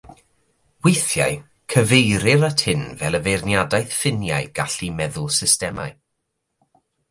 Weithiau cyfeirir at hyn fel y feirniadaeth ffiniau gallu meddwl systemau.